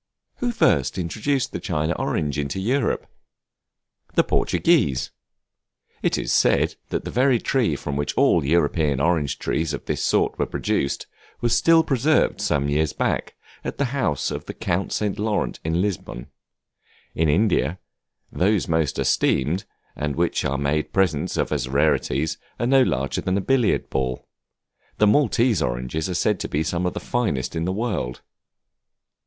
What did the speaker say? Who first introduced the China Orange into Europe? The Portuguese. It is said that the very tree from which all the European orange trees of this sort were produced, was still preserved some years back, at the house of the Count St. Laurent, in Lisbon. In India, those most esteemed, and which are made presents of as rarities, are no larger than a billiard ball. The Maltese oranges are said by some to be the finest in the world.